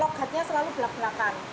lokatnya selalu belak belakan